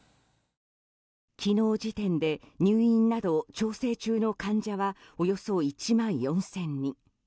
昨日時点で入院など調整中の患者はおよそ１万４０００人。